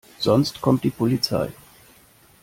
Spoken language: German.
Sonst kommt die Polizei.